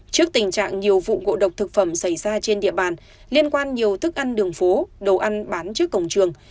trước tình trạng nhiều vụ ngộ độc thực phẩm xảy ra trên địa bàn liên quan nhiều thức ăn đường phố đồ ăn bán trước cổng trường